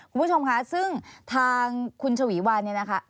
คุณผู้ชมค่ะซึ่งทางคุณชวีวันเนี่ยนะคะ